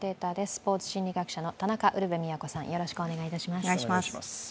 スポーツ心理学者の田中ウルヴェ京さん、よろしくお願いします。